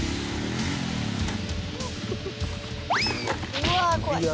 うわ怖い。